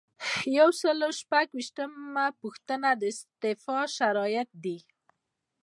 یو سل او شپږ ویشتمه پوښتنه د استعفا شرایط دي.